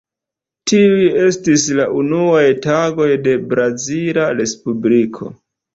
Tiuj estis la unuaj tagoj de brazila Respubliko.